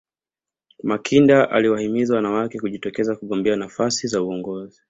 makinda aliwahimiza wanawake kujitokeza kugombea nafasi za uongozi